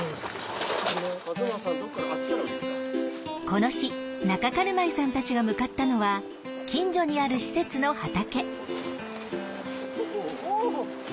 この日中軽米さんたちが向かったのは近所にある施設の畑。